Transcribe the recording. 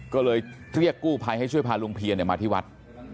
ก็เลยเรียกกู้ภัยให้ช่วยพาลุงเพียนมาที่วัด